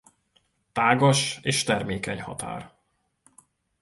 Tágas és termékeny határ.